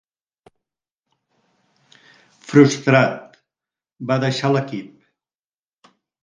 Frustrat, va deixar l'equip.